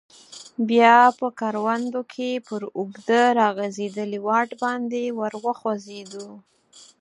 بیا په کروندو کې پر اوږده راغځیدلي واټ باندې ور وخوځیدو.